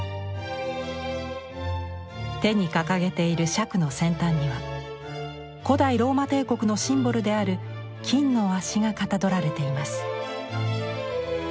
手に掲げている笏の先端には古代ローマ帝国のシンボルである金のワシがかたどられています。